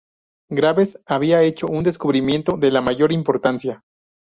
Graves había hecho un descubrimiento de la mayor importancia.